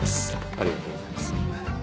ありがとうございます。